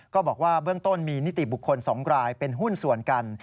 ก็บอกว่าเบื้องต้นมีนิติบุคคล๒รายเป็นหุ้นส่วนกัน